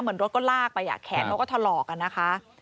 เหมือนรถก็ลากไปแขนเขาก็ทะลอก